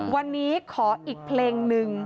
วันนี้ขออีกเพลงหนึ่ง